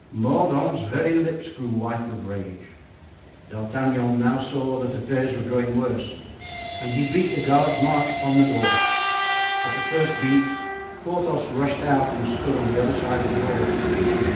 Mordaunt's very lips grew white with rage. D'Artagnan now saw that affairs were growing worse and he beat the guard's march upon the door. At the first beat Porthos rushed out and stood on the other side of the door.